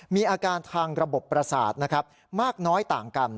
มีอาการทางระบบประสาทนะครับมากน้อยต่างกัน